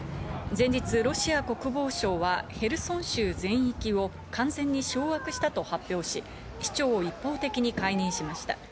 前月ロシア国防省はヘルソン州全域を完全に掌握したと発表し、市長を一方的に解任にしました。